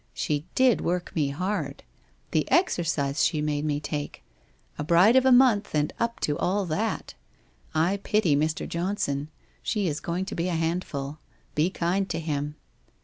She did work me hard. The exercise she made me take! A bride of a month, and up to all that! I pity Mr. Johnson. She is going to be a handful. Be kind to him.